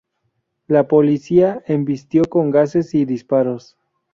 La policía embistió con gases y disparos.